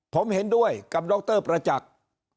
ผมเห็นด้วยกับดรประจักษ์